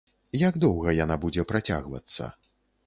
Як доўга яна будзе працягвацца?